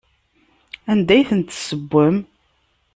Anda ay tent-tessewwem?